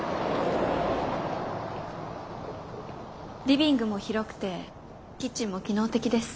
リビングも広くてキッチンも機能的です。